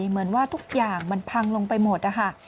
เหมือนว่าทุกอย่างมันพังลงไปหมดนะคะ